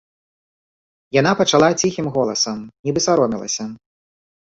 Яна пачала ціхім голасам, нібы саромелася.